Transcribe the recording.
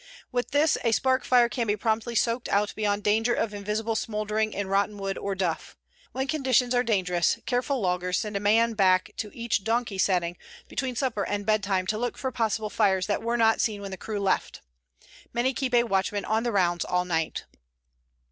With this a spark fire can be promptly soaked out beyond danger of invisible smouldering in rotten wood or duff. When conditions are dangerous, careful loggers send a man back to each donkey setting between supper and bedtime to look for possible fires that were not seen when the crew left. Many keep a watchman on the rounds all night.